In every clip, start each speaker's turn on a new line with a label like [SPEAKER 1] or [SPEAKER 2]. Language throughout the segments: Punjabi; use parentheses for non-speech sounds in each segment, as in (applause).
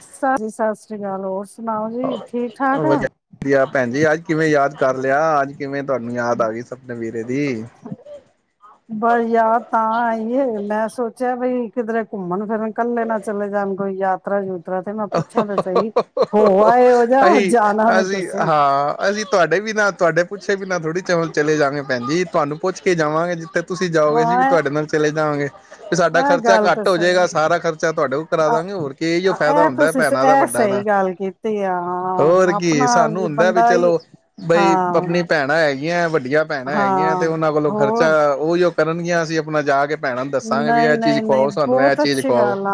[SPEAKER 1] ਸਤਿ ਜੀ ਸਤਿ ਸ੍ਰੀ ਅਕਾਲ ਹੋਰ ਸੁਣਾਓ ਜੀ ਠੀਕ
[SPEAKER 2] ਵਧੀਆ
[SPEAKER 1] ਠਾਕ ਆ?
[SPEAKER 2] ਵਧੀਆ ਭੈਣ ਜੀ ਅੱਜ ਕਿਵੇਂ ਯਾਦ ਕਰ ਲਿਆ। ਅੱਜ ਕਿਵੇਂ ਤੁਹਾਨੂੰ ਯਾਦ ਆ ਗਈ ਸਪਨੇ ਵੀਰੇ ਦੀ
[SPEAKER 1] ਬਸ ਯਾਦ ਤਾਂ ਆਈ ਏ ਮੈਂ ਸੋਚ ਬਈ ਕਿਧਰੇ ਘੁੰਮਣ ਫਿਰਨ ਇਕੱਲੇ ਨਾ ਚਲੇ ਜਾਣ ਕੋਈ ਯਾਦ (unintelligible)
[SPEAKER 2] ਹ ਹ ਹ ਹ ਹ
[SPEAKER 1] ਆਏ ਹੋ ਜਾ
[SPEAKER 2] ਅਸੀ,
[SPEAKER 1] ਜਾਣਾ ਵ
[SPEAKER 2] ਅਸੀ
[SPEAKER 1] ਤੁਸੀਂ
[SPEAKER 2] ਹਾਂ ਅਸੀ ਤੁਹਾਡੇ ਵੀ ਨਾ ਤੁਹਾਡੇ (unintelligible) ਪੁੱਛੇ ਬਿਨਾਂ ਥੋੜ੍ਹੀ ਚ ਚਲੇ ਜਾਵਾਂਗੇ ਭੈਣਜੀ, ਤੁਹਾਨੂੰ ਪੁੱਛ ਕੇ ਜਾਵਾਂਗੇ ਜਿੱਥੇ ਤੁਸੀਂ ਜਾਓਗੇ ਅਸੀ ਵੀ
[SPEAKER 1] ਹਾਂ
[SPEAKER 2] ਤੁਹਾਡੇ ਨਾਲ ਚਲੇ ਜਾਵਾਂਗੇ। ਵੀ ਸਾਡਾ
[SPEAKER 1] ਇਹ
[SPEAKER 2] ਖਰਚਾ
[SPEAKER 1] ਗੱਲ ਤਾਂ
[SPEAKER 2] ਘੱਟ ਹੋ ਜਾਏਗਾ,
[SPEAKER 1] ਸਹੀ
[SPEAKER 2] ਸਾਰਾ ਖਰਚਾ ਤੁਹਾਡੇ ਕੋਲ ਕਰਾ ਦਵਾਂਗੇ, ਹੋਰ ਕੀ ਫਾਇਦਾ
[SPEAKER 1] ਇਹ
[SPEAKER 2] ਹੁੰਦਾ
[SPEAKER 1] ਤੁਸੀਂ
[SPEAKER 2] ਭੈਣਾਂ ਦਾ
[SPEAKER 1] ਇਹ
[SPEAKER 2] ਵੱਡਾ ਦਾ
[SPEAKER 1] ਸਹੀ ਗੱਲ ਕੀਤੀ ਆ
[SPEAKER 2] ਹੋਰ
[SPEAKER 1] ਹਾਂ
[SPEAKER 2] ਕੀ
[SPEAKER 1] ਆਪਣਾ
[SPEAKER 2] ਸਾਨੂੰ ਹੁੰਦਾ ਵੀ
[SPEAKER 1] ਬੰਦਾ ਹੀ
[SPEAKER 2] ਚਲੋ ਬਈ
[SPEAKER 1] ਹਾਂ
[SPEAKER 2] ਆਪਣੀ ਭੈਣਾਂ ਹੈਗੀਆਂ ਵੱਡੀਆਂ ਭੈਣਾਂ ਹੈਗੀਆਂ ਤੇ
[SPEAKER 1] ਹਾਂ
[SPEAKER 2] ਉਹਨਾਂ ਕੋਲੋਂ
[SPEAKER 1] ਹੋਰ
[SPEAKER 2] ਖਰਚਾ ਉਹੀ ਉਹ ਕਰਨਗੀਆਂ ਅਸੀਂ ਅਪਣਾ ਜਾ ਕੇ ਭੈਣਾਂ ਨੂੰ ਦੱਸਾਂਗੇ ਵੀ
[SPEAKER 1] ਨਹੀਂ
[SPEAKER 2] ਇਹ ਚੀਜ਼
[SPEAKER 1] ਨਹੀਂ ਨਹੀਂ
[SPEAKER 2] ਖਵਾਓ ਸਾਨੂੰ ਇਹ
[SPEAKER 1] ਬਹੁਤ
[SPEAKER 2] ਚੀਜ਼
[SPEAKER 1] ਅੱਛੀ
[SPEAKER 2] ਖਵਾਓ
[SPEAKER 1] ਗੱਲ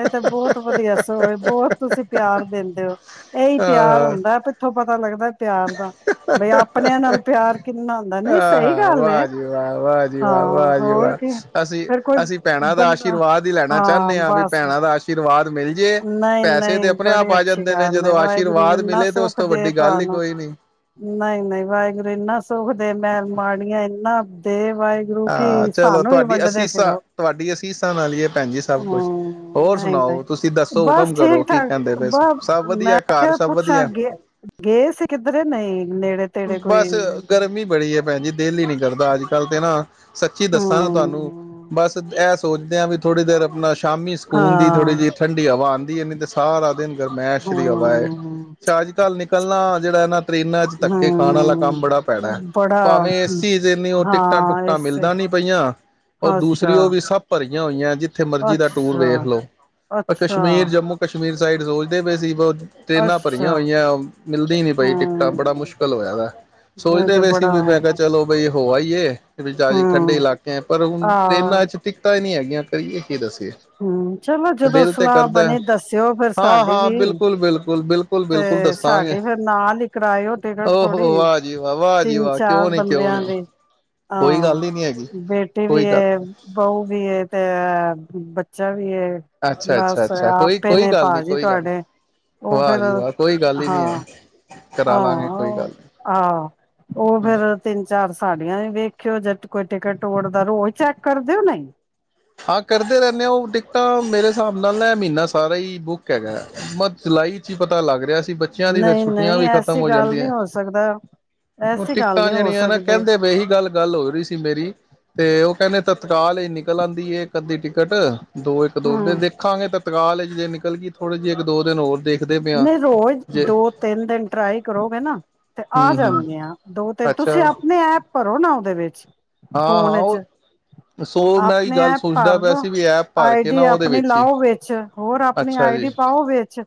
[SPEAKER 1] ਇਹ ਤੇ ਬਹੁਤ ਵਧੀਆ ਏ ਬਹੁਤ ਤੁਸੀਂ ਪਿਆਰ ਦਿੰਦੇ ਹੋ ਇਹੀ ਪਿਆਰ
[SPEAKER 2] ਆਹ
[SPEAKER 1] ਹੁੰਦਾ ਪਿੱਥੋਂ ਪਤਾ ਲੱਗਦਾ ਪਿਆਰ ਦਾ, ਬਈ ਆਪਣਿਆਂ ਨਾਲ ਪਿਆਰ ਕਿੰਨਾ ਹੁੰਦਾ। ਨਹੀਂ ਸਹੀ
[SPEAKER 2] ਆਹ
[SPEAKER 1] ਗੱਲ ਹੈ।
[SPEAKER 2] ਵਾਹ ਜੀ ਵਾਹ ਵਾਹ ਜੀ ਵਾਹ
[SPEAKER 1] ਹਾਂ
[SPEAKER 2] ਵਾਹ ਜੀ
[SPEAKER 1] ਹੋਰ ਕੀ।
[SPEAKER 2] ਵਾਹ ਅਸੀਂ
[SPEAKER 1] ਕੋਈ
[SPEAKER 2] ਅਸੀਂ ਭੈਣਾਂ ਦਾ
[SPEAKER 1] ਬੰਦਾ
[SPEAKER 2] ਆਸ਼ੀਰਵਾਦ ਹੀ ਲੈਣਾ ਚਾਹਣੇ ਹਾਂ ਵੀ ਭੈਣਾਂ ਦਾ ਆਸ਼ੀਰਵਾਦ ਮਿਲ ਜੇ
[SPEAKER 1] ਨਹੀਂ
[SPEAKER 2] ਪੈਸੇ ਤੇ
[SPEAKER 1] ਨਹੀਂ
[SPEAKER 2] ਆਪਣੇ ਆਪ
[SPEAKER 1] ਬੜੀ
[SPEAKER 2] ਆ
[SPEAKER 1] ਅੱਛੀ
[SPEAKER 2] ਜਾਂਦੇ ਨੇ
[SPEAKER 1] ਗੱਲ ਹੈ
[SPEAKER 2] ਜਦੋਂ
[SPEAKER 1] ਵਾਹਿਗੁਰੂ
[SPEAKER 2] ਆਸ਼ੀਰਵਾਦ
[SPEAKER 1] ਇੰਨਾ
[SPEAKER 2] ਮਿਲੇ ਤੇ ਉਸ
[SPEAKER 1] ਸੁੱਖ
[SPEAKER 2] ਤੋਂ
[SPEAKER 1] ਦੇ
[SPEAKER 2] ਵੱਡੀ ਗੱਲ
[SPEAKER 1] ਤੁਹਾਨੂੰ
[SPEAKER 2] ਕੋਈ ਨਹੀਂ
[SPEAKER 1] ਨਹੀਂ ਨਹੀਂ ਵਾਹਿਗੁਰੂ ਇੰਨਾ ਸੁਖ ਦੇ ਮੈਂ ਮਾੜੀਆਂ ਇੰਨਾ ਤੇ
[SPEAKER 2] ਹਾਂ ਚਲੋ ਤੁਹਾਡੀ ਅਸੀਸਾਂ
[SPEAKER 1] ਫਿਰੋ
[SPEAKER 2] ਤੁਹਾਡੀ ਅਸੀਸਾਂ ਨਾਲ ਹੀ ਹੈ ਭੈਣ ਜੀ ਸਭ ਕੁਛ
[SPEAKER 1] ਹੂੰ,
[SPEAKER 2] ਹੋਰ
[SPEAKER 1] ਨਹੀਂ-ਨਹੀਂ
[SPEAKER 2] ਸੁਣਾਓ ਤੁਸੀਂ ਦੱਸੋ
[SPEAKER 1] ਬਸ
[SPEAKER 2] ਹੁਕਮ ਕਰੋ
[SPEAKER 1] ਠੀਕ
[SPEAKER 2] ਕੀ
[SPEAKER 1] ਠਾਕ
[SPEAKER 2] ਕਹਿੰਦੇ ਪਏ
[SPEAKER 1] ਬ
[SPEAKER 2] ਸਭ
[SPEAKER 1] ਮੈਂ
[SPEAKER 2] ਵਧੀਆ ਘਰ
[SPEAKER 1] ਕਿਹਾਿਆ
[SPEAKER 2] ਸਭ
[SPEAKER 1] ਪੁੱਛਾਂ
[SPEAKER 2] ਵਧੀਆ
[SPEAKER 1] ਗ ਗਏ ਸੀ ਕਿੱਧਰੇ ਨਹੀਂ ਨੇੜੇ-ਤੇੜੇ
[SPEAKER 2] ਬਸ
[SPEAKER 1] ਕੋਈ
[SPEAKER 2] ਗਰਮੀ ਬੜੀ ਹੈ ਭੈਣ ਜੀ ਦਿਲ ਹੀ ਨੀ ਕਰਦਾ ਅੱਜ ਕੱਲ੍ਹ ਤੇ ਨਾ ਸੱਚੀ ਦੱਸਾਂ ਨਾ ਤੁਹਾਨੂੰ
[SPEAKER 1] ਹੂੰ
[SPEAKER 2] ਬਸ ਐ ਸੋਚਦੇ ਹਾਂ ਵੀ ਥੋੜੀਰ ਆਪਣਾ ਸ਼ਾਮੀ ਸਕੂਨ ਦੀਥੋੜੀ
[SPEAKER 1] ਹਾਂ,
[SPEAKER 2] ਜਿਹੀ ਠੰਡੀ ਹਵਾਵ ਮ ਸਾਰਾ ਦਿਨ ਮੈਂਸ਼ਰੀ ਹਵਾਏ
[SPEAKER 1] ਹੂੰ,
[SPEAKER 2] ਸ਼ਾਹ ਅਜ ਕੱਲ ਨ ਪ ਇਕੱਲਾ ਜਿਹੜਾ ਇਹਨਾਂ ਟਰੇਨਾਂ ਅੱਜ ਤੱਕ ਕਿ ਖਾਣ ਵਾਲਾ ਕੰਮ
[SPEAKER 1] ਹੂੰ
[SPEAKER 2] ਬੜਾ ਪੈਣਾ
[SPEAKER 1] ਬੜਾ
[SPEAKER 2] ਭਾਵੇਂ ਇਸ ਚੀਜ਼ ਇੰਨੀ ਉਹ ਟਿਕਟਾਂ
[SPEAKER 1] ਹਾਂ
[SPEAKER 2] ਟੁਕਟਾਂ
[SPEAKER 1] ਇਸੇ
[SPEAKER 2] ਮਿਲਦਾ ਨੀ ਪਈਆਂ ਔਰ
[SPEAKER 1] ਅੱਛਾ,
[SPEAKER 2] ਦੂਸਰੀ ਉਹ ਵੀ ਸਭ ਭਰੀਆਂ ਹੋਈਆਂ ਜਿੱਥੇ ਮਰਜ਼ੀ ਦਾ ਟੂਰ
[SPEAKER 1] ਅੱਛਾ,
[SPEAKER 2] ਵੇਖ ਲਓ ਕਸ਼ਮੀਰ
[SPEAKER 1] ਅੱਛਾ,
[SPEAKER 2] ਜੰਮੂ ਕਸ਼ਮੀਰ ਸਾਈਡ ਪ ਸੀ ਬ ਟਰੇਨਾਂ ਭਰੀਆਂ
[SPEAKER 1] ਅੱਛਾ
[SPEAKER 2] ਹੋਈਆਂ ਮਿਲਦੀ ਨੀ ਪਈ ਟਿਕਟਾਂ ਬੜਾ
[SPEAKER 1] ਹੂੰ
[SPEAKER 2] ਮੁਸ਼ਕਿਲ ਦਾ
[SPEAKER 1] ਇਹ
[SPEAKER 2] ਸੋਚਦੇ
[SPEAKER 1] ਤੇ
[SPEAKER 2] ਪਏ ਸੀ
[SPEAKER 1] ਬੜਾ
[SPEAKER 2] ਵੀ ਮੈਂ ਕਿਹਾ ਚਲੋ ਬਈ ਹੋ ਆ ਹੀ ਵਿੱਚ ਆਜੀ ਠੰਡੇ
[SPEAKER 1] ਹੂੰ
[SPEAKER 2] ਇਲਾਕੇ ਹੈ ਪਰ ਹੁਣ
[SPEAKER 1] ਆਹ
[SPEAKER 2] ਟਰੇਨਾਂ ਚ ਟਿਕਤਾਂ ਹੀ ਨਹੀਂੀ ਹੈਗੀਆਂ (unintelligible) ਕੀ ਦੱਸੀਏ
[SPEAKER 1] ਹੂੰ ਚਲੋ ਜਦੋਂ
[SPEAKER 2] ਦਿਲ ਤੇ
[SPEAKER 1] ਸਲਾਹ
[SPEAKER 2] ਕਰਦਾ
[SPEAKER 1] ਬਣੇ ਦੱਸਿਓ ਫਿਰ
[SPEAKER 2] ਹਾਂ
[SPEAKER 1] ਸਾਡੀ
[SPEAKER 2] ਹਾਂ
[SPEAKER 1] ਵੀ
[SPEAKER 2] ਬਿਲਕੁਲ ਬਿਲਕੁਲ ਬਿਲਕੁਲ ਬਿਲਕੁਲ
[SPEAKER 1] ਤੇ
[SPEAKER 2] ਦੱਸਾਂਗੇ
[SPEAKER 1] ਸਾਡੇ ਫੇਿਰ ਨਾਲ ਹੀ ਕਰਾਏ ਉਹਦੇ
[SPEAKER 2] ਓਹੋ
[SPEAKER 1] ਥੋੜੀ
[SPEAKER 2] ਵਾਹ ਜੀ ਵਾਹ ਵਾਹ ਜੀ
[SPEAKER 1] ਤਿੰਨ
[SPEAKER 2] ਵਾਹ ਕਿਉਂ
[SPEAKER 1] ਚਾਰ
[SPEAKER 2] ਨੀ ਕਿਉਂ
[SPEAKER 1] ਬੰਦਿਆਂ
[SPEAKER 2] ਨੀ
[SPEAKER 1] ਦੀ
[SPEAKER 2] ਕੋਈ ਗੱਲ
[SPEAKER 1] ਅਾਂ
[SPEAKER 2] ਹੀ ਨੀ ਹੈਗੀ
[SPEAKER 1] ਬੇਟੀ
[SPEAKER 2] ਕੋਈ
[SPEAKER 1] ਵੀ
[SPEAKER 2] ਗੱਲ
[SPEAKER 1] ਬਹੁ ਵੀ ਤੇ (unintelligible) ਵੀ
[SPEAKER 2] ਅੱਛਾ ਅੱਛਾ
[SPEAKER 1] ਬਸ
[SPEAKER 2] ਅੱਛਾ ਕੋਈ
[SPEAKER 1] ਆਪੇ
[SPEAKER 2] ਕੋਈ
[SPEAKER 1] ਨੇ
[SPEAKER 2] ਗੱਲ ਨੀ
[SPEAKER 1] ਭਾਜੀ
[SPEAKER 2] ਕੋਈ ਗੱਲ ਨੀ
[SPEAKER 1] ਤੁਹਾਡੇ ਉਹ
[SPEAKER 2] ਵਾਹ ਜੀ
[SPEAKER 1] ਹਾਂ
[SPEAKER 2] ਵਾਹ ਕੋਈ ਗੱਲ ਹੀ ਨੀ ਹੈ ਕਰਾ
[SPEAKER 1] ਹਾਂ
[SPEAKER 2] ਲਾਂਗੇ ਕੋਈ ਗੱਲ ਨੀ
[SPEAKER 1] ਆਹ ਉਹ ਫੇਿਰ ਤਿੰਨ ਚਾਰ ਾਰ ਸਾਡੀਆਂ ਵੇਖਿਓ ਜੇ ਕੋਈ ਟਿਕਟ ਤੋੜਦਾ ਰੋਹੀ ਚੈੱਕ ਕਰ ਦਿਓ ਨਹੀਂ
[SPEAKER 2] ਹਾਂ ਕਰਦੇ ਰਹਿੰਦੇ ਆ ਉਹ ਟਿਕਟਾਂ ਮੇਰੇ ਹਿਸਾਬ ਨਾਲ ਨਾ ਮਹੀਨਾ ਸਾਰਾ ਹੀ ਬੁੱਕ ਹੈਗਾ ਮਤ ਜੁਲਾਈ ਚ ਹੀ ਪਤਾ ਲੱਗ ਰਿਹਾ ਸੀ ਬੱਚਿਆਂ ਦੀ ਫਰ
[SPEAKER 1] ਨਹੀਂ
[SPEAKER 2] ਛੁੱਟੀਆਂ
[SPEAKER 1] ਨਹੀਂ
[SPEAKER 2] ਵੀ ਖ਼ਤਮ
[SPEAKER 1] ਐਸੀ
[SPEAKER 2] ਹੋ
[SPEAKER 1] ਗੱਲ
[SPEAKER 2] ਜਾਂਦੀਆਂ
[SPEAKER 1] ਨਹੀਂ ਹੋ ਸਕਦਾ
[SPEAKER 2] ਹ
[SPEAKER 1] ਐਸੀ ਗੱਲ
[SPEAKER 2] ਟਿੱਕਾਂ
[SPEAKER 1] ਨਹੀਂ ਹੋ
[SPEAKER 2] ਜਿਹੜੀਆਂ ਨਾ
[SPEAKER 1] ਸਕਦੀ
[SPEAKER 2] ਕਹਿੰਦੇ ਬੇਹੀ ਗੱਲ ਗੱਲ ਹੋ ਰਹੀ ਸੀ ਮੇਰੀ ਤੇ ਉਹ ਕਹਿੰਦੇ ਤਤਕਾਲ ਹੀ ਨਿਕਲਣ ਇਹ ਅੱਧੀ ਟਿਕਟ ਦੋ ਇੱਕ ਦੋ ਫ਼ੇਰ
[SPEAKER 1] ਹੂੰ।
[SPEAKER 2] ਦੇਖਾਂਗੇ ਤਤਕਾਲ ਜੇ ਨਿਕਲਗੀ ਥੋੜੇ ਜਿਹੇ ਇੱਕ ਦੋ ਦਿਨ ਹੋਰ ਦੇਖ
[SPEAKER 1] ਨਹੀਂ ਰੋਜ਼ ਦੋ ਤਿੰਨ ਦਿਨ ਟਰਾਈ ਕਰੋਗੇ ਨਾ ਤੇ ਆ
[SPEAKER 2] ਹਮ ਹਮ
[SPEAKER 1] ਜਾਉਨਗਿਆ, ਦੋ ਤਿੰਨ
[SPEAKER 2] ਅੱਛਾ
[SPEAKER 1] ਤੁਸੀਂ ਆਪਣੇ ਆਪ ਭਰੋ ਨਾ ਉਹਦੇ ਵਿੱਚ।
[SPEAKER 2] ਹਾਂ
[SPEAKER 1] ਫੋਨ
[SPEAKER 2] ਹਾਂ
[SPEAKER 1] ਏਚ
[SPEAKER 2] ਉਹ ਸੋ ਮੈਂ ਇਹ
[SPEAKER 1] ਆਪਣੇ
[SPEAKER 2] ਗੱਲ
[SPEAKER 1] ਐਪ
[SPEAKER 2] ਸੋਚਦਾ
[SPEAKER 1] ਭਰ
[SPEAKER 2] ਪਿਆ
[SPEAKER 1] ਲੋ।
[SPEAKER 2] ਸੀ ਵੀ ਐਪ ਭਰ ਕੇ
[SPEAKER 1] ਆਈਡੀ
[SPEAKER 2] ਨਾ ਉਹਦੇ
[SPEAKER 1] ਆਪਣੀ
[SPEAKER 2] ਵਿੱਚ ਹੀ
[SPEAKER 1] ਲਾਓ ਵਿੱਚ। ਹੋਰ ਆਪਣੀ
[SPEAKER 2] ਅੱਛਾ ਜੀ
[SPEAKER 1] ਆਈਡੀ ਪਾਓ ਵਿੱਚ।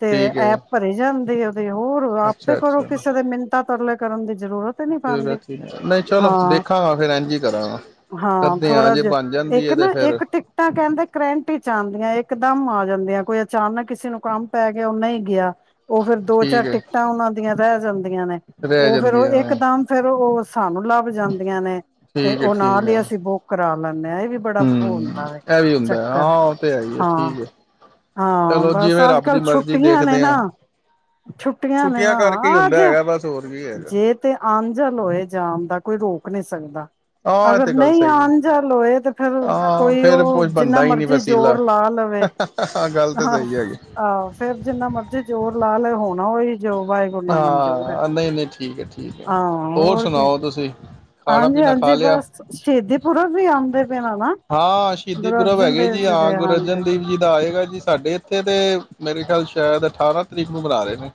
[SPEAKER 1] ਤੇ
[SPEAKER 2] ਠੀਕ ਹੈ
[SPEAKER 1] ਐਪ ਭਰੇ ਜਾ ਆਂਦੇ ਆ। ਤੇ ਹੋਰ ਆਪੇ
[SPEAKER 2] ਅੱਛਾ
[SPEAKER 1] ਘਰੋਂ
[SPEAKER 2] ਅੱਛਾ
[SPEAKER 1] ਕਿਸੇ ਦੇ ਮਿੰਨਤਾਂ ਤਰਲ਼ੇ। ਕਰਨ ਦੀ ਜ਼ਰੂਰਤ ਨਹੀਂ
[SPEAKER 2] ਜਗ੍ਹਾ
[SPEAKER 1] ਪਾਂਦੇ,
[SPEAKER 2] ਨਹੀਂ ਚਲੋ
[SPEAKER 1] ਹਾਂ,
[SPEAKER 2] ਦੇਖਾਂਗਾ ਫਿਰ ਇੰਝ ਹੀ ਕਰਾਂਗਾ।
[SPEAKER 1] ਹਾਂ।
[SPEAKER 2] ਕਰਦੇ
[SPEAKER 1] ਥੋੜਾ
[SPEAKER 2] ਜੇ
[SPEAKER 1] ਜਿਆ।
[SPEAKER 2] ਬਣ ਜਾਂਦੀ
[SPEAKER 1] ਇੱਕ
[SPEAKER 2] ਹੈ ਤੇ
[SPEAKER 1] ਨਾ
[SPEAKER 2] ਫਿਰ
[SPEAKER 1] ਇੱਕ ਟਿਕਟਾਂ ਕਹਿੰਦੇ ਕਰੰਟ ਇਚ ਆਂਦੀਆਂ ਇੱਕ ਦਮ ਆ ਜਾਂਦੀਆਂ। ਕੋਈ ਅਚਾਨਕ ਕਿਸੇ ਨੂੰ ਕੰਮ ਪੈ ਗਿਆ ਉਹਨਾ ਹੀ ਗਿਆ। ਉਹ ਫੇਰ ਦੋ ਚਾਰ
[SPEAKER 2] ਠੀਕ ਹੈ
[SPEAKER 1] ਟਿਕਟਾਂ ਉਹਨਾਂ ਦੀਆਂ (inaudible) (inaudible) ਨੇ
[SPEAKER 2] ਰਹਿ
[SPEAKER 1] ਉਹ ਫੇਰ
[SPEAKER 2] ਜਾਂਦੀ
[SPEAKER 1] ਉਹ
[SPEAKER 2] ਹੈ
[SPEAKER 1] ਇੱਕਦਮ ਫੇਰ ਉਹ ਸਾਨੂੰ। ਲੱਭ ਜਾਂਦੀਆਂ ਨੇ ਤੇ
[SPEAKER 2] ਠੀਕ ਹੈ
[SPEAKER 1] ਉਹ
[SPEAKER 2] ਠੀਕ
[SPEAKER 1] ਨਾਲ
[SPEAKER 2] ਹੈ
[SPEAKER 1] ਹੀ ਅਸੀਂ ਬੁੱਕ ਕਰਾ ਲੈਂਦੇ ਹਾਂ। ਇਹ ਵੀ ਬੜਾ ਉਹ
[SPEAKER 2] ਹੂੰ
[SPEAKER 1] ਹੁੰਦਾ ਹੈ,
[SPEAKER 2] ਇਹ ਵੀ ਹੁੰਦਾ ਹਾਂ
[SPEAKER 1] ਚੱਕਰ।
[SPEAKER 2] ਉਹ ਤੇ ਹੈ ਹੀ ਹੈ
[SPEAKER 1] ਹਾਂ,
[SPEAKER 2] ਠੀਕ ਹੈ
[SPEAKER 1] ਹਾਂ
[SPEAKER 2] ਚਲੋ
[SPEAKER 1] ਬਸ।
[SPEAKER 2] ਜਿਵੇਂ
[SPEAKER 1] ਅੱਜ ਅੱਜ
[SPEAKER 2] ਰੱਬ ਦੀ
[SPEAKER 1] ਕੱਲ
[SPEAKER 2] ਮਰਜ਼ੀ
[SPEAKER 1] ਛੁੱਟੀਆਂ ਨੇ
[SPEAKER 2] ਦੇਖਦੇ
[SPEAKER 1] ਨਾ,
[SPEAKER 2] ਹਾਂ।
[SPEAKER 1] ਛੁੱਟੀਆਂ ਨੇ ਨਾ,
[SPEAKER 2] ਕਰਕੇ ਹੀ
[SPEAKER 1] ਆਜ
[SPEAKER 2] ਹੁੰਦਾ ਹੈਗਾ ਬਸ ਹੋਰ ਕੀ ਹੈਗਾ
[SPEAKER 1] ਜੇ ਤੇ ਆਂਜਲ ਹੋਏ ਜਾਨ ਦਾ ਕੋਈ। ਰੋਕ ਨਹੀਂ ਸਕਦਾ।
[SPEAKER 2] ਹਾਂ ਇਹ
[SPEAKER 1] ਅਗਰ
[SPEAKER 2] ਤੇ ਗੱਲ
[SPEAKER 1] ਨਹੀਂ
[SPEAKER 2] ਸਹੀ ਹੈ।
[SPEAKER 1] ਆੰਜਲ ਹੋਏ ਤੇ ਫੇਰ
[SPEAKER 2] ਹਾਂ
[SPEAKER 1] ਕੋਈ
[SPEAKER 2] ਫੇਰ
[SPEAKER 1] ਉਹ
[SPEAKER 2] ਕੁਝ
[SPEAKER 1] ਜਿੰਨਾ
[SPEAKER 2] ਬਣਦਾ ਹੀ ਨਹੀਂ
[SPEAKER 1] ਮਰਜੀ
[SPEAKER 2] ਵਸੀਲਾ
[SPEAKER 1] ਜ਼ੋਰ ਲਾ ਲਵੇ।
[SPEAKER 2] ਗੱਲ ਤਾਂ ਸਹੀ
[SPEAKER 1] ਹਾਸ।
[SPEAKER 2] ਹੈਗੀ।
[SPEAKER 1] ਫੇਰ ਜਿੰਨਾ ਮਰਜ਼ੀ ਜ਼ੋਰ ਲਾ ਲਏ ਹੋਣਾ ਓਹੀ।
[SPEAKER 2] ਹਾਂ, ਨਹੀਂ ਨਹੀਂ ਠੀਕ ਐ। ਠੀਕ ਐ।
[SPEAKER 1] ਹਾਂ
[SPEAKER 2] ਹੋਰ
[SPEAKER 1] ਕੀ
[SPEAKER 2] ਸੁਣਾਓ ਤੁਸੀਂ? ਖਾਣਾ
[SPEAKER 1] ਹਾਂਜੀ
[SPEAKER 2] ਪੀਣਾ ਖਾ
[SPEAKER 1] ਹਾਂਜੀ
[SPEAKER 2] ਲਿਆ।
[SPEAKER 1] ਬਸ ਸ਼ਹੀਦੀ ਪੁਰਬ ਵੀ ਆਉਂਦੇ ਪਏ ਨੇ ਨਾ
[SPEAKER 2] ਹਾਂ, ਸ਼ਹੀਦੀ
[SPEAKER 1] ਗੁਰੂ
[SPEAKER 2] ਪੁਰਬ
[SPEAKER 1] ਅਰਜਨ
[SPEAKER 2] ਹੈਗੇ
[SPEAKER 1] ਦੇਵ
[SPEAKER 2] ਜੀ। ਹਾਂ,
[SPEAKER 1] ਦੇ
[SPEAKER 2] ਗੁਰੂ ਅਰਜਨ
[SPEAKER 1] ਹਾਂਜੀ
[SPEAKER 2] ਦੇਵ ਜੀ ਦਾ ਆਏਗਾ ਜੀ ਸਾਡੇ ਇੱਥੇ ਤੇ। ਮੇਰੇ ਖਿਆਲ ਸ਼ਾਇਦ ਅਠਾਰਾਂ ਤਰੀਕ ਨੂੰ ਮਣਾ ਰਹੇ ਨੇ।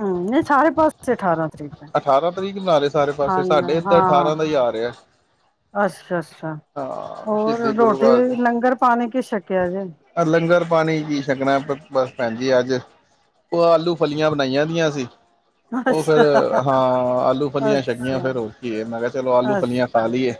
[SPEAKER 1] ਹਮ ਨਹੀਂ ਸਾਰੇ ਪਾਸੇ ਅਠਾਰਾਂ ਤਰੀਕ ਹੈ
[SPEAKER 2] ਅਠਾਰਾਂ ਤਰੀਕ ਬਣਾ ਰਹੇ ਸਾਰੇ ਪਾਸੇ।
[SPEAKER 1] ਹਾਂ
[SPEAKER 2] ਸਾਡੇ ਏਧਰ
[SPEAKER 1] ਹਾਂ
[SPEAKER 2] ਅਠਾਰਾਂ ਦਾ ਹੀ ਆ ਰਿਹਾ ਐ।
[SPEAKER 1] ਅੱਛਾ ਅੱਛਾ
[SPEAKER 2] ਹਾਂ,
[SPEAKER 1] ਹੋਰ
[SPEAKER 2] ਸ਼ਹੀਦੀ ਗੁਰੂ
[SPEAKER 1] ਰੋਟੀ
[SPEAKER 2] ਬਾ
[SPEAKER 1] ਲੰਗਰ ਪਾਣੀ ਕੀ ਛਕਿਆ ਜੇ
[SPEAKER 2] ਲੰਗਰ ਪਾਣੀ ਕੀ ਛਕਨਾ ਬਸ ਭੈਣੇ। ਜੀ ਅੱਜ ਉਹ ਆਲੂ ਫਲੀਆਂ ਬਣਾਈਆਂ ਦੀਆਂ (unintelligible) ਉਹ ਫਿਰ
[SPEAKER 1] ਅੱਛਾ,
[SPEAKER 2] ਹਾਂ ਆਲੂ ਫਲੀਆਂ ਛਕੀਆਂ
[SPEAKER 1] ਅੱਛਾ,
[SPEAKER 2] ਫਿਰ ਹੋਰ ਕੀ ਹੈ ਮੈਂ ਕਿਹਾ ਚਲੋ ਆਲੂ ਫਲੀਆਂ ਖਾ
[SPEAKER 1] ਅੱਛਾ,
[SPEAKER 2] ਲਈਏ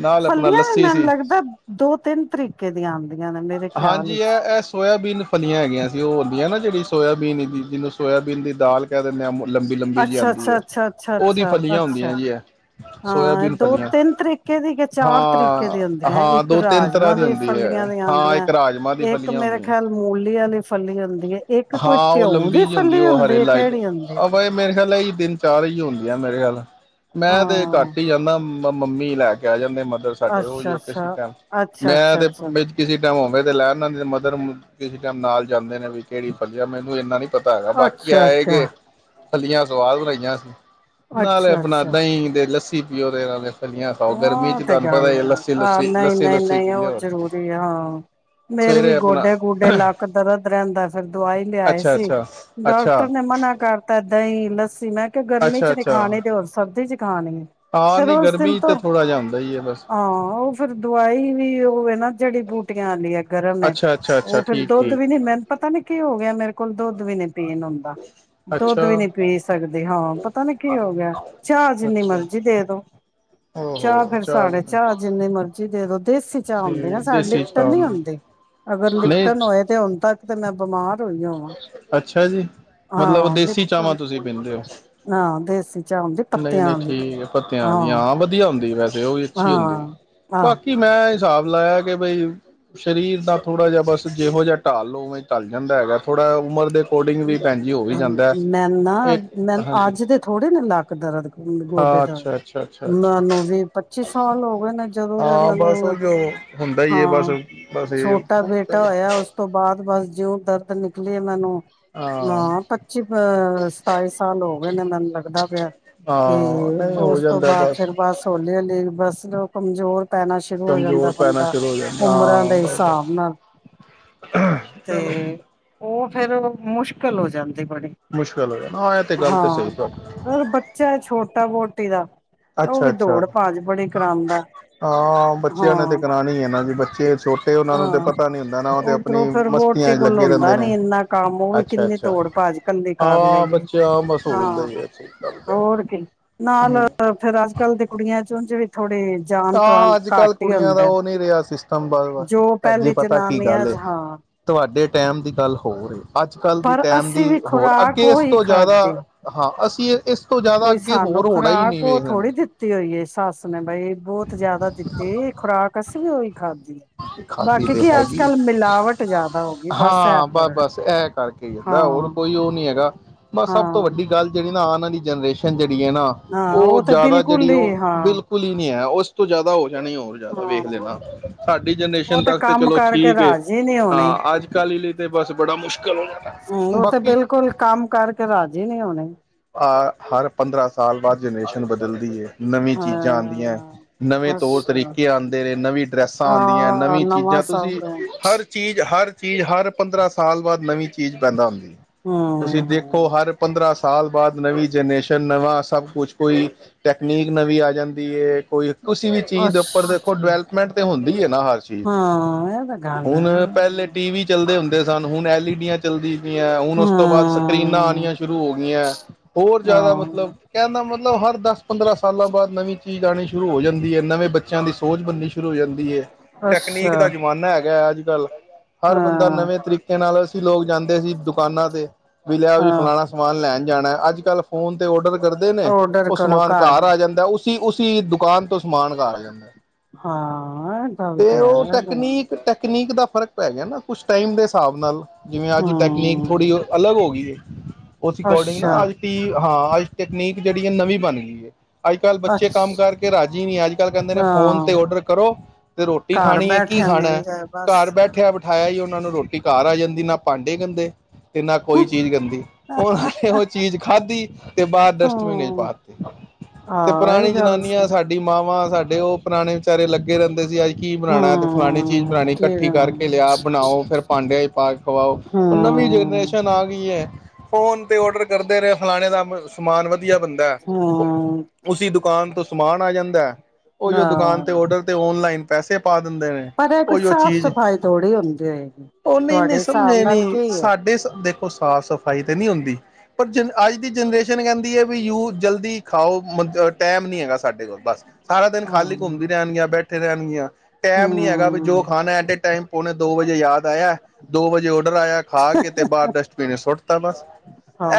[SPEAKER 2] ਨਾਲ ਆਪਣਾ
[SPEAKER 1] ਫੱਲੀਆਂ ਵੀ
[SPEAKER 2] ਲੱਸੀ ਸੀ
[SPEAKER 1] ਮੈਨੂੰ ਲੱਗਦਾ ਦੋ ਤਿੰਨ ਤਰੀਕੇ ਦੀਆਂ ਆਦੀਆਂ ਨੇ ਮੇ
[SPEAKER 2] ਹਾਂਜੀ, ਇਹ ਇਹ ਸੋਇਆਬੀਨ ਫਲੀਆਂ ਹੈਗੀਆਂ ਸੀ ਉਹ ਹੁੰਦੀਆ। ਨਾ ਜਿਹੜੀ ਸੋਇਆਬੀਨ ਦੀ ਜਿਹਨੂੰ ਸੋਆਬੀਨ ਦੀ ਦਾਲ ਕਹਿ ਦਿੰਦੇ ਆਂ। ਲੰਬੀ ਲੰਬੀ ਜੀ
[SPEAKER 1] ਅੱਛਾ
[SPEAKER 2] ਆਦੀ
[SPEAKER 1] ਅੱਛਾ
[SPEAKER 2] ਏ,
[SPEAKER 1] ਅੱਛਾ ਅੱਛਾ
[SPEAKER 2] ਉਹਦੀ
[SPEAKER 1] ਅੱਛਾ
[SPEAKER 2] ਫਲੀਆਂ
[SPEAKER 1] ਅੱਛਾ
[SPEAKER 2] ਹੁੰਦੀਆਂ ਜੀ ਐ।
[SPEAKER 1] ਹਾਂ, ਦੋ ਤਿੰਨ ਤਰੀਕੇ ਦੀ ਕਿ ਚਾਰ ਤਰੀਕੇ ਦੀ
[SPEAKER 2] ਹਾਂ
[SPEAKER 1] ਹੁੰਦੀਆਂ
[SPEAKER 2] ਹਾਂ
[SPEAKER 1] ਇੱਕ
[SPEAKER 2] ਦੋ ਤਿੰਨ ਤਰ੍ਹਾਂ
[SPEAKER 1] ਰਾਜਮਾਂ
[SPEAKER 2] ਦੀ
[SPEAKER 1] ਦੇ
[SPEAKER 2] ਹੁੰਦੀ
[SPEAKER 1] ਫਲੀਆਂ
[SPEAKER 2] ਹੈ
[SPEAKER 1] ਦੀਆਂ
[SPEAKER 2] ਹਾਂ, ਇੱਕ ਰਾਜਮਾਂ ਦੀ ਫਲੀਆਂ ਹੁੰਦੀਆਂ।
[SPEAKER 1] ਵਾਲੀ ਫਲੀਆ ਆਉਂਦੀਆਂ ਏ
[SPEAKER 2] ਹਾਂ ਉਹ ਲੰਬੀ ਜ ਹੁੰਦੀ ਉਹ ਹਰੇ
[SPEAKER 1] ਹੈ
[SPEAKER 2] ਲਾਈਕ
[SPEAKER 1] ਕਿਹੜੀ ਹੁੰਦੀ ਹੈ
[SPEAKER 2] ਅਵਾ ਇਹ ਮੇਰੇ ਖਿਆਲ ਦਿਨ ਚਾਰ ਹੀ ਹੁੰਦੀਆਂ ਮੇਰੇ ਖਿਆਲ ਨਾਲ਼ ਮੈਂ ਤੇ
[SPEAKER 1] ਹਾਂ
[SPEAKER 2] ਘੱਟ ਹੀ ਜਾਂਦਾ ਮੰਮੀ ਲੈ ਕੇ ਆ ਜਾ ਮਦਰ ਸਾਡੇ ਉਹ
[SPEAKER 1] ਅੱਛਾ
[SPEAKER 2] ਯਪ
[SPEAKER 1] ਅੱਛਾ ਅੱਛਾ
[SPEAKER 2] ਮੈਂ
[SPEAKER 1] ਅੱਛਾ
[SPEAKER 2] ਤੇ
[SPEAKER 1] ਅੱਛਾ
[SPEAKER 2] ਮ ਕਿਸੇ ਟਮ ਹੋਵੇ ਤੇ ਲੈ ਉਹਨਾਂ ਦੇ ਮਦਰ ਕਿਸੇ ਟਾਈਮ ਨਾਲ ਜਾਂਦੇ ਨੇ ਕਿਹੜੀ ਵਧੀਆ ਮੈਨੂੰ ਇਨਾ ਨੀ ਪਤਾ ਹੈਗਾ ਬਾਕੀ
[SPEAKER 1] ਅੱਛਾ
[SPEAKER 2] ਆਏ
[SPEAKER 1] ਅੱਛਾ
[SPEAKER 2] ਗ ਫ਼ਲੀਆ ਸਵਾਦ ਬਣਾਈਆਂ ਸੀ ਨਾਲੇ
[SPEAKER 1] ਅੱਛਾ
[SPEAKER 2] ਆਪਣਾ ਦਹੀਂ ਦੇ ਲੱਸਣ ਸੀ ਪੀਓ ਓਦੇ ਨਾਲੇ ਫਲੀਆਂ ਖਾਓ ਗਰਮੀ
[SPEAKER 1] ਹ
[SPEAKER 2] ਚ
[SPEAKER 1] ਤੇ
[SPEAKER 2] ਤੁਹਾਨੂੰ ਪਤਾ
[SPEAKER 1] ਗੱਲ
[SPEAKER 2] ਹੀ
[SPEAKER 1] ਆ
[SPEAKER 2] ਲੱਸੀ
[SPEAKER 1] ਆਹ
[SPEAKER 2] ਲੁੱਸੀ
[SPEAKER 1] ਨਹੀਂ
[SPEAKER 2] ਲੱਸੀ
[SPEAKER 1] ਨਹੀਂ
[SPEAKER 2] ਲੁੱਸੀ ਪੀ
[SPEAKER 1] ਨਹੀਂ ਉਹ
[SPEAKER 2] ਲਿਓ ਹੋਰ ਕੀ
[SPEAKER 1] ਜ਼ਰੂਰੀ ਆ ਹਾਂ ਫੇਿਰ ਵੀ
[SPEAKER 2] ਸਵੇਰੇ ਆਪਣਾ
[SPEAKER 1] ਗੋਡੇ ਗੋਡੇ ਲੱਕ ਦਰਦ ਰਹਿੰਦਾ ਫਿਰ ਦਵਾਈ ਲਿਆਏ
[SPEAKER 2] ਅੱਛਾ
[SPEAKER 1] ਸੀ
[SPEAKER 2] ਅੱਛਾ ਅੱਛਾ
[SPEAKER 1] ਡਾਕਟਰ ਨੇ ਮਨਾ ਕਰਤਾ ਦਹੀਂ ਲਸ ਮੈਂ ਗਰਮੀ
[SPEAKER 2] ਅੱਛਾ
[SPEAKER 1] ਚ ਨ
[SPEAKER 2] ਅੱਛਾ
[SPEAKER 1] ਖਾਣੇ ਦੇਰ ਸਰਦੀ ਚ ਖਾਣੀ
[SPEAKER 2] ਹਾਂ
[SPEAKER 1] ਫੇਿਰ
[SPEAKER 2] ਨਹੀਂ
[SPEAKER 1] ਉਸ ਦਿਨ
[SPEAKER 2] ਗਰਮੀ ਤੇ ਥੋੜ੍ਹਾ ਜਿਹਾ ਹੁੰਦਾ ਹੀ ਹੈ ਬਸ
[SPEAKER 1] ਹਾਂ ਉਹ ਫਿਰ ਦਵਾਈ ਵੀ ਹੋਵੇ ਨਾ ਜਿਹੜੀ ਬੂਟੀਆਂ ਆਂਲੀ ਗਰਮ ਹੈ
[SPEAKER 2] ਅੱਛਾ ਅੱਛਾ ਅੱਛਾ
[SPEAKER 1] ਉਹ ਫੇਿਰ
[SPEAKER 2] ਠੀਕ
[SPEAKER 1] ਦੁੱਧ
[SPEAKER 2] ਠੀਕ
[SPEAKER 1] ਵੀ ਨੀ ਮੈਨੂੰ ਪਤਾ ਨੀ ਕੀ ਹੋ ਗਿਆ ਮੇਰੇ ਕੋਲ ਕੋਲ ਦੁੱਧ ਵੀ ਨੇ ਪੀਣ ਹੁੰਦਾ ਦੁੱਧ
[SPEAKER 2] ਅੱਛਾ
[SPEAKER 1] ਵੀ ਨਹੀਂ ਪੀ ਸਕਦੀ ਹਾਂ ਪਤਾ ਨੀ ਕੀ ਹੋ ਗਿਆ ਚਾਹ ਜਿੰਨੀ
[SPEAKER 2] ਅੱਛਾ
[SPEAKER 1] ਮਰਜ਼ੀ ਦੇ ਦੋ ਚਾਹ ਫ਼ਿਰ ਸਾ ਡੇ ਚਾਹ ਜਿੰਨੀ ਮਰਜ਼ੀ ਦੇ ਦੋ ਦੇਸੀ ਚਾਹ ਹੁੰਦੀ ਆੁ ਨਾ
[SPEAKER 2] ਠੀਕ
[SPEAKER 1] ਸਾੇ
[SPEAKER 2] ਦੇਸੀ
[SPEAKER 1] ਲਿਪਟਨ
[SPEAKER 2] ਚਾਹ
[SPEAKER 1] ਨੀ ਆੁੰਦੀ ਅਗਰ
[SPEAKER 2] ਨਹੀਂ
[SPEAKER 1] ਲਿਪਟਨ ਹੋਏ ਤੇ ਆਦਾ ਤੇ ਮੈਂ ਬਿਮਾਰ
[SPEAKER 2] ਅੱਛਾ ਜੀ ਮਤਲਬ
[SPEAKER 1] ਹਾਂ
[SPEAKER 2] ਦੇਸੀ ਚਾਹਵਾਂ
[SPEAKER 1] ਲਿਪਟਨ
[SPEAKER 2] ਤੁਸੀਂ ਪੀਂਦੇ ਹੋ
[SPEAKER 1] ਹਾਂ ਦੇਸੀ ਚਾ
[SPEAKER 2] ਨਹੀਂ ਨਹੀਂ ਠੀਕ ਪੱਤਿਆਂ ਦੀਆ ਹਾਂ (unintelligible) ਹੁੰਦੀ ਵੈਸ ਤੇਓਹੀ ਅੱਛੀ ਹੁੰਦੀ
[SPEAKER 1] ਹਾਂ ਆਹ
[SPEAKER 2] ਬਾਕੀ ਮੈਂ ਹਿਸਾਬ ਲਾਇਆ ਕਿ ਬਈ ਸਰੀਰ ਦਾ ਥੋੜਾ ਜਿਹਾ ਬਸ ਜਿਹੋ ਜਿਹਾ ਢਾਲ ਲਓ ਉਵੇਂ ਲ ਜਾਂਦਾ ਹੈਗਾ ਥੋੜ੍ਹਾ ਉਮਰ ਦੇ ਅਕੋਰਡਿੰਗ ਵੀ ਭੈਣ ਜੀ ਹੋ ਵੀ ਜਾਂਦਾ
[SPEAKER 1] ਮੈ ਨਾ
[SPEAKER 2] ਇੱਕ
[SPEAKER 1] ਮੈ
[SPEAKER 2] ਹਾਂਜੀ
[SPEAKER 1] ਅੱਜ ਦੇ ਥੋੜੇ ਨੇ ਲੱ ਦਰਦ ਗੋਡੇ
[SPEAKER 2] ਹਾਂ
[SPEAKER 1] ਦਰਦ
[SPEAKER 2] ਅੱਛਾ ਅੱਛਾ ਅੱਛਾ ਅੱਛਾ
[SPEAKER 1] ਮੈਨੂੰ ਵੀ ਪੱਚੀ ਸਾਲ ਹੋ ਗਏ ਨੇ ਜਦੋਂ ਵੀ
[SPEAKER 2] ਹਾਂ
[SPEAKER 1] ਮੈਨੂੰ
[SPEAKER 2] ਬਸ ਉਹ ਜੋ ਹੁੰਦਾ ਹੀ ਹੈ ਬਸ
[SPEAKER 1] ਹਾਂ
[SPEAKER 2] ਬਸ ਇਹ
[SPEAKER 1] ਛੋਟਾ ਬੇਟਾ
[SPEAKER 2] ਚਲੋ
[SPEAKER 1] ਹੋਇਆ ਉਸ ਤੋਂ ਬਾਅਦ ਬਾਦ ਬਸ ਜਿਉਂ ਦਰਦ ਨਿਕਲੀ ਮੈਨੂੰ ਹਾਂ ਪੱਚੀ ਅ ਸਤਾਈ ਸਾਲ ਹੋ ਗਏ ਨੇ ਮੈਨੂੰ ਲੱਗਦਾ ਪਿਆ
[SPEAKER 2] ਹਾਂ
[SPEAKER 1] ਤੇ
[SPEAKER 2] ਨਹੀਂ ਹੋ
[SPEAKER 1] ਉਸ ਤੋਂ
[SPEAKER 2] ਜਾਂਦਾ
[SPEAKER 1] ਬਾਅਦ ਫਿਰ ਬਸ ਹੋਲੀ ਹਲੀ ਬਸ ਦ ਕਮਜ਼ੋਰ ਪੈਣਾ ਸ਼ੁਰੂ ਹੋ ਜਾਂਦਾ
[SPEAKER 2] ਕਮਜ਼ੋਰ ਪੈਣਾ
[SPEAKER 1] ਬੰਦਾ
[SPEAKER 2] ਸ਼ੁਰੂ ਹੋ ਜਾਂਦਾ
[SPEAKER 1] ਉਮਰਾਂ
[SPEAKER 2] ਹਾਂ
[SPEAKER 1] ਦੇ
[SPEAKER 2] ਬਸ ਬਸ
[SPEAKER 1] ਹਿਸਾਬ ਨਾਲ ਤੇ ਉਹ ਫੇਿਰ ਮੁਸ਼ਕਿਲ ਹੋ ਜਾਂਦਾ
[SPEAKER 2] ਮੁਸ਼ਕਿਲ ਹੋ ਜਾਂਦਾ ਹਾਂ ਇਹ ਤੇ ਗੱਲ ਤੇ
[SPEAKER 1] ਹਾਂ
[SPEAKER 2] ਸਹੀ ਤੁਹਾਡੀ
[SPEAKER 1] ਯ ਬੱਚਾ ਛੋਟਾ ਬਹੁਟਾ (unintelligible)
[SPEAKER 2] ਅੱਛਾ ਅੱਛਾ ਹਾਂ ਬੱਚਿਆਂ ਨੇ ਤੇ
[SPEAKER 1] ਹਾਂ
[SPEAKER 2] ਕਰਾਉਣੀ ਹੈ ਨਾ ਵੀ ਬੱਚੇ ਛੋਟੇ ਉਹਨਾਂ ਨੂੰ ਤੇ
[SPEAKER 1] ਹਾਂ
[SPEAKER 2] ਪਤਾ ਨੀ ਹੁੰਦਾ ਨਾ ਤੇ
[SPEAKER 1] ਉਧਰੋਂ
[SPEAKER 2] ਆਪਣੀ
[SPEAKER 1] ਫਿਰ ਵੋਟੀ
[SPEAKER 2] ਮਸਤੀਆਂ ਚ
[SPEAKER 1] ਕੋਲ
[SPEAKER 2] ਲੱਗੇ ਰਹਿੰਦੇ
[SPEAKER 1] ਹੁੰਦਾ
[SPEAKER 2] ਨੇ
[SPEAKER 1] ਨੀ ਇੰਨਾ ਕੰਮ ਉਹ ਵੀ
[SPEAKER 2] ਅੱਛਾ
[SPEAKER 1] ਕਿੰਨੀ
[SPEAKER 2] ਅੱਛਾ
[SPEAKER 1] ਤੋੜ ਭਾਜ ਕੱਲੀ ਕਰ ਲੈ
[SPEAKER 2] ਹਾਂ
[SPEAKER 1] ਗਏ
[SPEAKER 2] ਬੱਚਾ ਬਸ ਹੋ ਜਾਂਦਾ
[SPEAKER 1] ਹਾਂ
[SPEAKER 2] ਹੀ
[SPEAKER 1] ਹੋਰ ਕੀ ਨਾਲ ਅੱਜ ਕੱਲ ਦੇ ਕੁੜੀਆਂ (unintelligible) ਵੀ ਥੋੜ੍ਹੇ
[SPEAKER 2] ਹਾਂ ਅੱਜ ਕੱਲ ਕੁੜੀਆਂ ਦਾ ਉਹ ਨਹੀਂੀਰਿਹਾ ਸਿਸਟਮ ਬ
[SPEAKER 1] ਜੋ
[SPEAKER 2] ਭੈਜੀ
[SPEAKER 1] ਪਹਿਲੀ
[SPEAKER 2] ਪਤਾ ਕੀ
[SPEAKER 1] ਜਨਾਨੀਆਂ
[SPEAKER 2] ਗੱਲ
[SPEAKER 1] ਹਾਂ
[SPEAKER 2] ਤੁਹਾਡੇ ਟੈਮ ਦੀ ਗੱਲ ਹੋਰ ਅੱਜ ਅੱਜ ਕੱਲ੍ਹ ਦੀ
[SPEAKER 1] ਪਰ
[SPEAKER 2] ਟੈਮ ਦੀ
[SPEAKER 1] ਅਸੀਂ ਵੀ
[SPEAKER 2] ਹੋਰ
[SPEAKER 1] ਖੁਰਾਕ
[SPEAKER 2] ਅੱਗੇ ਇਸ
[SPEAKER 1] ਉਹੀ
[SPEAKER 2] ਤੋਂ ਜ਼ਿਆਦਾ
[SPEAKER 1] ਖਾਧੇ।
[SPEAKER 2] ਹਾਂ ਅਸੀਂ ਇਸ ਤੋਂ ਜ਼ਿਆਦਾ
[SPEAKER 1] ਕੋਈ
[SPEAKER 2] ਅੱਗੇ ਹੋਰ
[SPEAKER 1] ਸਾਨੂੰ
[SPEAKER 2] ਹੋਣਾ ਹੀ ਨਹੀਂੀ
[SPEAKER 1] ਖੁਰਾਕ ਉਹ
[SPEAKER 2] ਵੇਖ ਦੇਣਾ
[SPEAKER 1] ਜਿਆਦਾ ਦਿੱਤੇ ਖੁਰਾਕ ਅਸੀਂ ਵੀ ਉਹੀ ਖਾਧੀ ਆ
[SPEAKER 2] ਖਾਧੀ
[SPEAKER 1] ਬਾਕੀ
[SPEAKER 2] ਤੇ
[SPEAKER 1] ਕੀ ਅੱਜ
[SPEAKER 2] ਹੈਗੀ
[SPEAKER 1] ਕੱਲ੍ਹ ਮਿਲਾਵਟ ਜਿਆਦਾ ਹੋ ਗਈ ਬਸ ਇਹ
[SPEAKER 2] ਹਾਂ,
[SPEAKER 1] ਪਰ
[SPEAKER 2] ਬਸ ਕਰਕੇ ਜਾਂਦਾ ਹੋਰ ਕੋਈ ਉਹ ਨੀ ਹੈਗਾ ਬ ਸਭ
[SPEAKER 1] ਹਾਂ
[SPEAKER 2] ਤੋਂ ਵੱਡੀ ਗੱਲ ਜਿਹੜੀ ਨਾ ਆ ਦੀ ਜਨਰੇਸ਼ਨਿਹੜੀ (unintelligible) ਨਾ
[SPEAKER 1] ਹਾਂ
[SPEAKER 2] ਉਹ
[SPEAKER 1] ਤਾਂ
[SPEAKER 2] ਜ਼ਿਆਦਾ
[SPEAKER 1] ਬਿਲਕੁਲ
[SPEAKER 2] ਜਿਹੜੀ ਉਹ
[SPEAKER 1] ਹੀ ਹਾਂ
[SPEAKER 2] ਬਿਲਕੁਲ ਹੀ ਨਹੀਂ ਹੈ ਉਹ ਤੋਂ ਜਿਆਦਾ ਹੋ ਜਾਣੀ ਹੋਰ ਜ਼ਿਆਦਾ
[SPEAKER 1] ਹਾਂ।
[SPEAKER 2] ਵੇਖ ਲਣਾ ਸਾਡੀ ਜਨਰੇਸ਼ਨ
[SPEAKER 1] ਉਹ ਤਾਂ
[SPEAKER 2] ਤੱਕ ਤੇ
[SPEAKER 1] ਕੰਮ
[SPEAKER 2] ਚਲੋ
[SPEAKER 1] ਕਰਕੇ
[SPEAKER 2] ਠੀਕ
[SPEAKER 1] ਰਾਜੀ ਨਹੀਂ ਹੋਣੇ
[SPEAKER 2] ਹਾਂ ਅੱਜ ਕੱਲ੍ਹ ਲਈ ਤੇ ਬਸ ਬੜਾ ਮੁਸ਼ਕਿਲ
[SPEAKER 1] ਹੂੰ
[SPEAKER 2] ਹੋ
[SPEAKER 1] ਉਹ ਤੇ
[SPEAKER 2] ਬਾਕੀ
[SPEAKER 1] ਬਿਲਕੁਲ ਕੰਮ ਕਰਕੇ ਰਾਜੀ ਨਹੀਂ ਹੋਣੇ
[SPEAKER 2] ਆ ਹਰ ਪੰਦਰਾਂ ਸਾਲ ਬਾਅਦ ਜਨਰੇਸ਼ਨ ਬਦਲਦੀ ਹੈ ਨਵੀਂ ਚੀਜ਼ਾਂ ਆਉਂਦੀਆਂ
[SPEAKER 1] ਹਾਂ।
[SPEAKER 2] ਨਵੇਂ ਤੌਰ
[SPEAKER 1] ਅੱਛਾ
[SPEAKER 2] ਤਰੀਕੇ ਆਉਂਦੇ ਨੇ ਨਵੀਂ ਡਰੈਸਾਂ ਆਉਂਦੀਆਂ
[SPEAKER 1] ਹਾਂ
[SPEAKER 2] ਨਵੀਂ
[SPEAKER 1] ਨਵਾਂ
[SPEAKER 2] ਚੀਜ਼ਾਂ ਤੁਸੀਂ
[SPEAKER 1] ਸਭ
[SPEAKER 2] ਹਰ ਚੀਜ਼ ਹਰ ਚੀਜ਼ ਹਰ ਪੰਦਰਾਂ ਸਾਲ ਬਾਅਦ ਨਵੀਂ ਚੀਜ਼ ਪੈਂਦਾ ਹੁੰਦੀ ਤੁਸੀਂ ਦੇਖੋ
[SPEAKER 1] ਹੂੰ
[SPEAKER 2] ਹਰ ਪੰਦਰਾਂ ਸ ਸਾਲ ਬਾਅਦ ਨਵੀਂ ਜਨਰੇਸ਼ਨ ਨਵਾਂ ਸਭ ਕੁਛ ਕੋਈ ਟੈਕਨੀਕ ਨਵੀਂ ਆ ਜਾਂਦੀ ਹੈ ਕੋਈ ਕਿਸਸੀ ਵੀ ਚੀਜ਼ ਦੇ ਉੱਪਰ ਦੇਖੋ
[SPEAKER 1] ਅੱਛਾ
[SPEAKER 2] ਡਿਵੈਲਪਮੈਂਟ ਤੇ ਹੁੰਦੀ ਹੈ ਹਰ ਚੀਜ਼ ਦੀ
[SPEAKER 1] ਹਾਂ ਇਹ ਤਾਂ ਗੱਲ ਹੈ
[SPEAKER 2] ਹੁਣ ਪਹਿਲੇ
[SPEAKER 1] ਹੂੰ
[SPEAKER 2] ਟੀ ਵੀ ਚੱਲਦੇ ਹੁੰਦੇ ਸਨ ਹੁਣ ਐਲਈ ਡੀਆਂ ਚੱਲਦੀ ਪਈਆਂ ਹੁਣ ਉਸ ਤੋਂ ਬਾਅਦ ਸਕਰੀਨਾਂ ਆਉਣੀਆਂ ਸ਼ੁਰੂ ਹੋ ਗਈਆਂ ਹੋਰ ਜ਼ਿਆਦਾ ਮਤਲਬ
[SPEAKER 1] ਹਾਂ
[SPEAKER 2] ਕਹਿੰਦਾ ਮਤਲਬ ਹਰ ਦਸ ਪੰਦਰਾਂ ਸਾਲਾਂ ਬਾਅਦ ਨਵੀਂ ਚੀਜ਼ ਆਉਣੀ ਸ਼ੁਰੂ ਹੋ ਜਾਂਦੀ ਹੈ ਨਵੇਂ ਬੱਚਿਆਂ ਦੀ ਸੋਚ ਬਣਨੀ ਸ਼ੁਰੂ ਹੋ ਜਾਂਦੀ ਹੈ
[SPEAKER 1] ਅੱਛਾ
[SPEAKER 2] ਟੈਕਨੀਕ ਦਾ ਜ਼ਮਾਨਾ ਹੈਗਾ ਅੱਜ ਬ ਗਲ ਹਰ ਬੰਦਾ
[SPEAKER 1] ਹਾਂ
[SPEAKER 2] ਨਵੇਂ ਤਰੀਕੇ ਨਾਲ ਲੋਕ ਜਾਂਦੇ ਦੇ ਸੀ ਦੁਕਾਨਾਂ ਤੇ ਵੀ ਲਿਆ
[SPEAKER 1] ਹਾਂ
[SPEAKER 2] ਫਲਾਣਾ ਲੈਣ ਜਾਣਾ ਅੱਜ ਕੱਲ੍ਹ ਫੋਨ ਤੇ ਔਡਰ ਕਰਦੇ ਨੇ
[SPEAKER 1] ਔਡਰ
[SPEAKER 2] ਉਹ
[SPEAKER 1] ਕਰੋ
[SPEAKER 2] ਸਮਾਨ ਘਰ ਆ ਜਾਂਦਾ ਸੀ ਉਸ ਤੁਸੀਂ ਦੁਕਾਨ ਤੋਂ ਸਮਾਨ ਉਗਾ ਲੈਂਦੇ
[SPEAKER 1] ਹਾਂ ਇਹ ਗੱਲ
[SPEAKER 2] ਤੇ ਉਹ
[SPEAKER 1] ਹੈ
[SPEAKER 2] ਟੈਕਨੀਕ ਟੈਕਨੀਕ ਦਾ ਫਰਕ ਪੈ ਗਿਆ ਨਾ ਕੁਛ ਟਾਈਮ ਦੇ ਹਿਸਾਬ ਨਾਲ ਜਿਵੇਂ ਅੱਜ ਟੈਕਨੀਕ ਥੋੜ੍ਹੀ
[SPEAKER 1] ਹੂੰ
[SPEAKER 2] ਅਲੱ ਹੋ ਗਈ ਹੈ ਉਸ ਅਕੋਡਿੰਗ
[SPEAKER 1] ਅੱਛਾ
[SPEAKER 2] ਨਾ ਅੱ ਟੀ ਹਾਂ ਅੱਜ ਤੈਕਨੀਕ ਜਿਹੜੀ ਹੈ ਨਵੀਂ ਬਣ ਗਈ ਹੈ ਅੱਜ ਕੱਲ੍ਹ ਬੱਚੇ ਕੰਮ
[SPEAKER 1] ਅੱਛਾ
[SPEAKER 2] ਕਰਕੇ ਰਾਜੀ ਨਹੀਂ ਅੱਜ ਕੱਲ ਕਹਿੰਦੇ ਨੇ ਫੋਨ ਤੇ
[SPEAKER 1] ਹਾਂ
[SPEAKER 2] ਔਡਰ ਕਰੋ ਤੇ ਰੋਟੀ
[SPEAKER 1] ਘਰ
[SPEAKER 2] ਖਾਣੀ ਹੈ ਕੀ
[SPEAKER 1] ਬੈਠਿਆਂ
[SPEAKER 2] ਖਾਣਾ
[SPEAKER 1] ਮਿਲ ਜਾਏ ਬਸ
[SPEAKER 2] ਘਰ ਬੈਠਿਆ ਖਾਇਆ ਹੀ ਉਹਨਾਂ ਨੂੰ ਰੋਟੀ ਕਾਰ ਆ ਜਾਂਦੀ ਨਾ ਭਾਂਡੇ ਗੰਦੇ ਤੇ ਨਾ ਕੋਈ ਚੀਜ਼ ਗੰਦੀ ਉਹਨਾਂ ਨੇ ਉਹ ਚੀਜ਼ ਖਾਧੀ ਤੇ ਬਾਹਰ ਡਸਟਬਿਨ ਚ
[SPEAKER 1] ਹੂੰ
[SPEAKER 2] ਪਾ ਦਿੱਤੀ ਤੇ
[SPEAKER 1] ਹਾਂ ਇਹ
[SPEAKER 2] ਪੁਰਾਣੀ
[SPEAKER 1] ਗੱਲ ਸਹੀ
[SPEAKER 2] ਜਨਾਨੀਆਂ ਸਾਡੀ ਮਾਵਾਂ ਸਾਡੇ ਉਹ ਪੁਰਾਣੇ ਵਿਚਾਰੇ ਲੱਗੇ ਅੱਗੇ ਰਹਿੰਦੇ ਸੀ ਅੱਜ ਕੀ ਬਣਾਉਣਾ ਤੇ ਫਲਾਣੀ ਚੀਜ਼
[SPEAKER 1] ਹੂੰ
[SPEAKER 2] ਬਣਾਉਣੀ
[SPEAKER 1] ਕੀ
[SPEAKER 2] ਇਕੱਠੀ
[SPEAKER 1] ਬਣਾਉ
[SPEAKER 2] ਕਰਕੇ ਲਿਆ ਬਣਾਓ ਫਿਰ ਭਾਂਡਿਆਂ ਹੀ ਪਾ ਖਵਾਓੁ ਨਵੀਂ
[SPEAKER 1] ਹੂੰ
[SPEAKER 2] ਜਨਰੇਸ਼ਨ ਆ ਗਈ ਹੈ ਫੋਨ ਤੇ ਔਡਰ ਕਰਦੇ ਰਹੇ ਫਲਾਣੇ ਦਾ ਸਮਾਨ ਵਧੀਆ ਬਣਦਾ ਉਹ
[SPEAKER 1] ਹੂੰ
[SPEAKER 2] ਉਸਸੀ ਦੁਕਾਨ ਤੋਂ ਸਮਾਨ ਆ ਜਾਂਦਾ ਉਹੀ ਉਹ ਦੁਕਾਨ ਤੇ
[SPEAKER 1] ਆਹੋ
[SPEAKER 2] ਔਡਰ ਤੇ ਔਨਲਾਈਨ ਪੈੇ ਪਾ ਦਿੰਦੇ ਨੇ
[SPEAKER 1] ਪਰ ਇਹ ਕੋਈ
[SPEAKER 2] ਉਹੀ ਉਹ
[SPEAKER 1] ਸਾਫ਼
[SPEAKER 2] ਚੀਜ਼
[SPEAKER 1] ਸਫ਼ਾਈ ਥੋੜ੍ਹੀ ਹੁੰਦੀ ਹੋਏਗੀ
[SPEAKER 2] ਉਹ ਨਹੀਂ
[SPEAKER 1] ਤੁਹਾਡੇ
[SPEAKER 2] ਨ
[SPEAKER 1] ਹਿਸਾਬ
[SPEAKER 2] ਸਮਝੇ
[SPEAKER 1] ਨਾਲ ਕੀ
[SPEAKER 2] ਨੀ
[SPEAKER 1] ਹੈ
[SPEAKER 2] ਸਾਡੇ ਦੇਖੋ ਸਾਫ਼ ਸਫ਼ ਸਫਾਈ ਤਾਂ ਨਹੀਂ ਹੁੰਦੀ ਪਰ ਜ ਅੱਜ ਦੀ ਜਨਰੇਸ਼ਨ ਕਹਿੰਦੀ ਹੈ ਵੀ ਯੂ ਜਲਦੀ ਖਾਓ ਟਾਈਮ ਨਹੀਂ ਹੈਗਾ ਸਾਡੇ ਕੋਲ ਬਸ ਸਾਰਾ ਦਿਨ ਖਾਲੀ ਘੁੰਮਦੀ
[SPEAKER 1] ਹੂੰ
[SPEAKER 2] ਰਹਿਣਗੀਆਂ ਬੈਠੇ ਰਹਿਣਗੀਆਂ ਟਾਈਮ ਨਹੀਂ ਹੈਗਾ ਵੀ ਜੋ
[SPEAKER 1] ਹੂੰ
[SPEAKER 2] ਖਾਣਾ ਐਟ ਏ ਟਾਈਮ ਉਹਨੇ ਦੋ ਵਜੇ ਯਾਦ ਆਇਆ ਦੋ ਵਜੇ ਔਡਰ ਆਇਆ ਖਾ ਕੇ ਤੇ ਬਾਹਰ ਡਸਟਬਿਨ ਸੁੱਟ ਤਾਂ ਬਸ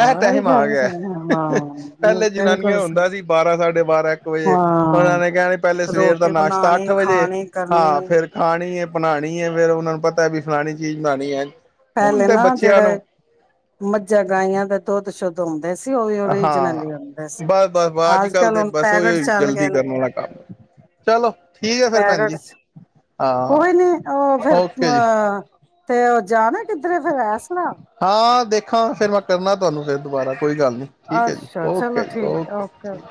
[SPEAKER 2] ਇਹ ਟਾਈਮ ਆ
[SPEAKER 1] ਗੱਲ
[SPEAKER 2] ਗਿਆ
[SPEAKER 1] ਸਹੀ ਹਾਂ
[SPEAKER 2] ਪਹਿਲੇ
[SPEAKER 1] ਬਿਲਕੁਲ
[SPEAKER 2] ਜਨਾਨੀਆਂ
[SPEAKER 1] ਸਹੀ
[SPEAKER 2] ਹੁੰਦਾ ਸੀ ਬਾਰਾਂ ਸਾਢੇ ਬਾਰਾਂ ਇੱਕ ਵਜੇ ਉਹਨਾਂ
[SPEAKER 1] ਹਾਂ
[SPEAKER 2] ਨੇ ਕਹਿਣੀ ਪਹਿਲੇ ਸਵੇਰ ਦਾ
[SPEAKER 1] ਰੋਟੀ
[SPEAKER 2] ਨਾਸ਼ਤਾ ਅੱਠ
[SPEAKER 1] ਬਣਾਣੇ
[SPEAKER 2] ਵਜੇ
[SPEAKER 1] ਖਾਣੇ ਕਰਨੇ
[SPEAKER 2] ਹਾਂ ਫਿਰ ਖਾਣੀ ਬਣਾਉਣੀ ਫਿਰ ਉਹਨਾ ਨੂੰ ਪਤਾ ਵੀ ਫਲਾਣੀ ਚੀਜ਼ ਬਣਾਉਣੀ ਹੈ ਹੁਣ
[SPEAKER 1] ਪੈਲੇ
[SPEAKER 2] ਤੇ
[SPEAKER 1] ਨਾ
[SPEAKER 2] ਬੱਚਿਆਂ
[SPEAKER 1] ਜਿਹੜਾ
[SPEAKER 2] ਨੂੰ
[SPEAKER 1] ਮੱਝਾਂ ਗਾਈਆਂ ਤੇ ਦੁੱਧ ਸ਼ੁੱਧੋ
[SPEAKER 2] ਹਾਂ ਬਸ ਬਸ ਅੱਜ ਕੱਲ ਦੇ
[SPEAKER 1] ਹੁਣ
[SPEAKER 2] ਬਸ
[SPEAKER 1] ਪੈਕਟ
[SPEAKER 2] ਉਹੀ
[SPEAKER 1] ਚੱਲ
[SPEAKER 2] ਜਲਦੀ
[SPEAKER 1] ਗਏ ਨੇ
[SPEAKER 2] ਕਰਨਾ ਕੰਮ ਚਲੋ ਠੀਕ ਹੈ ਫੇਰ ਭੈਣ ਜੀ
[SPEAKER 1] ਪੈਕਟ ਚ
[SPEAKER 2] ਹਾਂ
[SPEAKER 1] ਕੋਈ ਨੀ ਉਹ ਫਿਰ
[SPEAKER 2] ਓਕੇ ਜੀ
[SPEAKER 1] ਅ ਤੇ ਉਹ ਜਾਣਾ ਕਿੱਧਰੇ ਫੇਰ ਐਸ
[SPEAKER 2] ਹਾਂ ਦੇਖਾਂ ਫਿਰ ਮੈਂ ਕਰਨਾ ਤੁਹਾਨੂੰ ਫਿਰ ਦੁਬਾਰਾ ਕੋਈ ਗੱਲ ਨਹੀਂ ਠੀਕ ਹੈ ਜੀ
[SPEAKER 1] ਅੱਛਾ ਚਲੋ
[SPEAKER 2] ਓਕੇ ਜੀ
[SPEAKER 1] ਠੀਕ
[SPEAKER 2] ਓਕੇ ਠੀਕ